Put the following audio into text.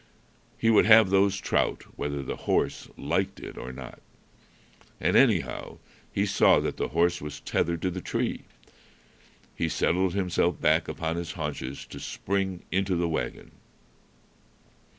He would have those trout, whether the horse liked it or not. And, anyhow, he saw that the horse was tethered to the tree. He settled himself back upon his haunches to spring into the wagon.